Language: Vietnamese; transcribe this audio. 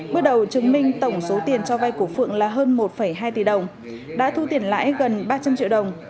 bước đầu chứng minh tổng số tiền cho vay của phượng là hơn một hai tỷ đồng đã thu tiền lãi gần ba trăm linh triệu đồng